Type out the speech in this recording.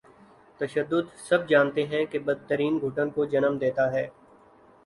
تشدد سب جانتے ہیں کہ بد ترین گھٹن کو جنم دیتا ہے۔